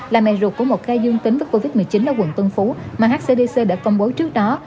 là mẹ ruột của một ca dương tính với covid một mươi chín ở quận tân phú mà hcdc đã công bố trước đó